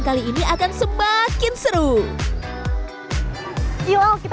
kali ini akan semakin seru yuk kita mau coba yang balon air enggak yuk let's go oke ajeng